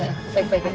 baik baiknya apa nih